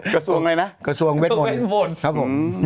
กระชวงเวชมอง